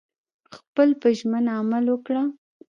خپل په ژمنه عمل وکړه